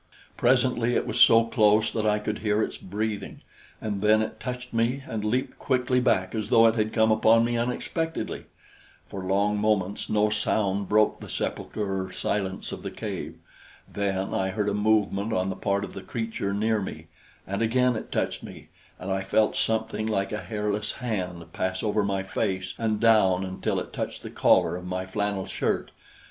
Presently it was so close that I could hear its breathing, and then it touched me and leaped quickly back as though it had come upon me unexpectedly. For long moments no sound broke the sepulchral silence of the cave. Then I heard a movement on the part of the creature near me, and again it touched me, and I felt something like a hairless hand pass over my face and down until it touched the collar of my flannel shirt.